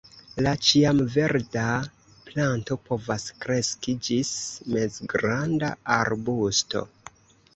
La ĉiamverda planto povas kreski ĝis mezgranda arbusto.